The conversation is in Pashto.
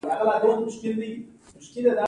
په لومړي پړاو کې پانګوال د پیسو پانګه بدلوي